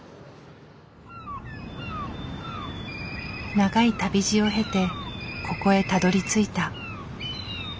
長い旅路を経てここへたどりついた。